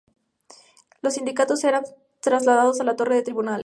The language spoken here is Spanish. Los sindicados serán trasladados a la Torre de Tribunales.